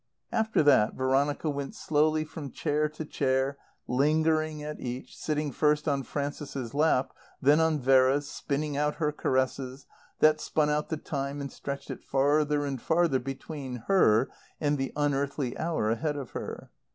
After that, Veronica went slowly from chair to chair, lingering at each, sitting first on Frances's lap, then on Vera's, spinning out her caresses, that spun out the time and stretched it farther and farther between her and the unearthly hour ahead of her.